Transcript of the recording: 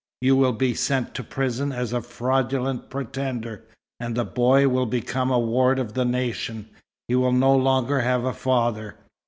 You will be sent to prison as a fraudulent pretender, and the boy will become a ward of the nation. He will no longer have a father."